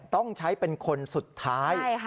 ต้องใช้เป็นคนสุดท้าย